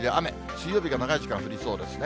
水曜日が長い時間降りそうですね。